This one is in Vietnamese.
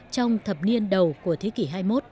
trong thập niên đầu của thế kỷ hai mươi một